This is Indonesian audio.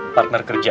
partner kerja ya